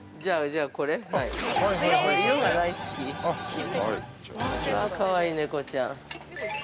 あー、かわいい猫ちゃん。